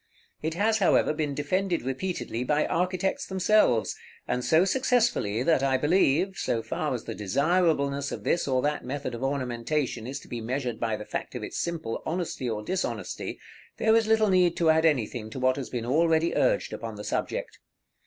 It has, however, been defended repeatedly by architects themselves, and so successfully, that I believe, so far as the desirableness of this or that method of ornamentation is to be measured by the fact of its simple honesty or dishonesty, there is little need to add anything to what has been already urged upon the subject.